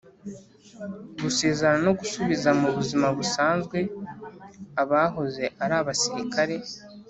gusezerera no gusubiza mu buzima busanzwe abahoze ari abasirikare,